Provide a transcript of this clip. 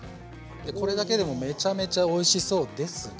これだけでもめちゃめちゃおいしそうですが。